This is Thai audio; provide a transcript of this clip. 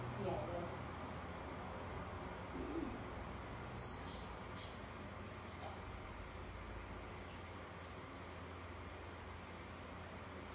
โปรดติดตามตอนต่อไป